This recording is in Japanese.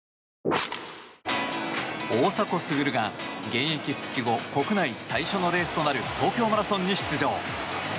大迫傑が現役復帰後国内最初のレースとなる東京マラソンに出場。